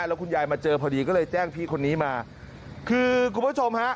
แล้วคุณยายมาเจอพอดีก็เลยแจ้งพี่คนนี้มาคือคุณผู้ชมฮะ